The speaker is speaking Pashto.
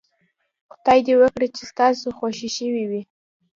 خدای دې وکړي چې ستاسو خوښې شوې وي.